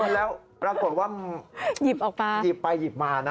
แล้วปรากฏว่าหยิบไปหยิบมานะ